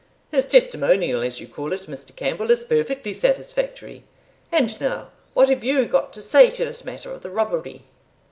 His testimonial, as you call it, Mr. Campbell, is perfectly satisfactory; and now, what have you got to say to this matter of the robbery?"